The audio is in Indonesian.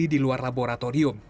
terjadi di luar laboratorium